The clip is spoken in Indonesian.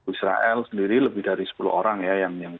israel sendiri lebih dari sepuluh orang ya